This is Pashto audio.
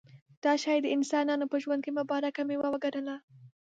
دا شی د انسانانو په ژوند کې مبارکه مېوه وګڼله.